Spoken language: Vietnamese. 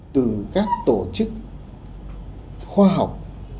từ các tổ chức khoa học